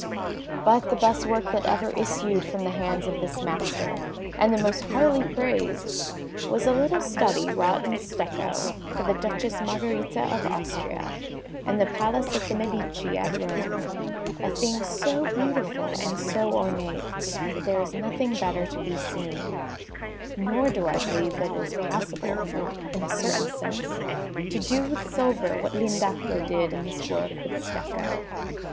But the best work that ever issued from the hands of this master, and the most highly praised, was a little study wrought in stucco for the Duchess Margherita of Austria in the Palace of the Medici at Rome a thing so beautiful and so ornate that there is nothing better to be seen; nor do I believe that it is possible, in a certain sense, to do with silver what L'Indaco did in this work with stucco.